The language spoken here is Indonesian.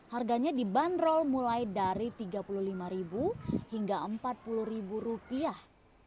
harganya dibanderol mulai dari tiga puluh lima hingga empat puluh rupiah